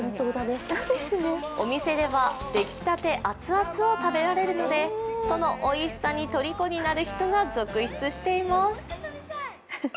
お店では出来たて熱々を食べられるのでそのおいしさにとりこになる人が続出しています。